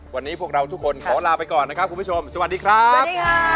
วันนี้พวกเราทุกคนขอลาไปก่อนนะครับคุณผู้ชมสวัสดีครับ